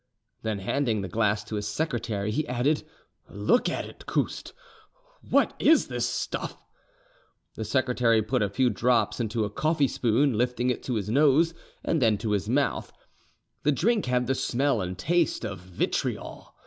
Then handing the glass to his secretary, he added, "Look at it, Couste: what is this stuff?" The secretary put a few drops into a coffee spoon, lifting it to his nose and then to his mouth: the drink had the smell and taste of vitriol.